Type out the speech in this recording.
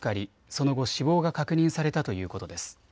その後、死亡が確認されたということです。